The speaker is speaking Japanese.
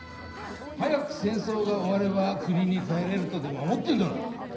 早く戦争が終われば国に帰れるとでも思ってんだろ。